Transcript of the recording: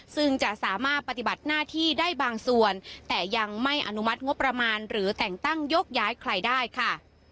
ซึ่งจะสามารถปฏิบัติหน้าที่ได้บางส่วนแต่ยังไม่อนุมัติงบประมาณหรือแต่งตั้งยกย้ายใครได้ค่ะ